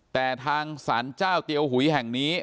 แต่ทางสารเจ้าเตียวหุยแห่งนี้